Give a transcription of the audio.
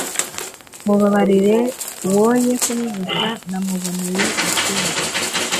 mubabarire woye kumwica, namuboneye incungu'